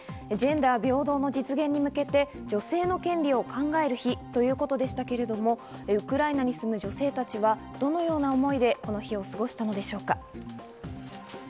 ジェンダー平等の実現に向け、女性の権利を考える日ということでしたけれども、ウクライナに住む女性たちはどのような思いでこの日を過ごしたのでしょうか。